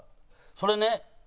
それね